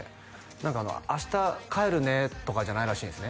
何か「明日帰るね」とかじゃないらしいんですね